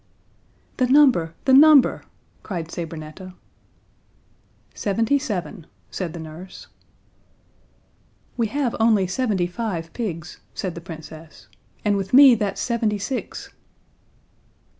"The number! The number!" cried Sabrinetta. "Seventy seven," said the nurse. "We have only seventy five pigs," said the Princess, "and with me that's seventy six!"